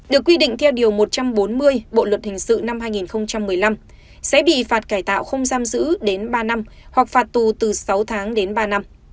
được quy định theo điều một trăm bốn mươi bộ luật hình sự năm hai nghìn một mươi năm sẽ bị phạt cải tạo không giam giữ đến ba năm hoặc phạt tù từ sáu tháng đến ba năm